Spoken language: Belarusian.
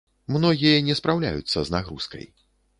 Многія не спраўляюцца з нагрузкай.